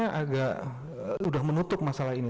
sebenarnya agak sudah menutup masalah ini